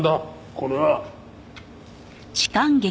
これは。